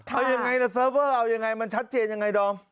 เอายังไงล่ะเซิร์ฟเวอร์เอายังไงมันชัดเจนยังไงดอม